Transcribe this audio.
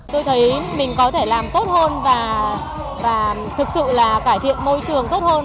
tôi thấy mình có thể làm tốt hơn và thực sự là cải thiện môi trường tốt hơn